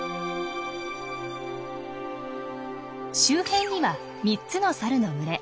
周辺には３つのサルの群れ。